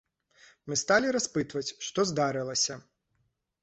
Мы сталі распытваць, што здарылася.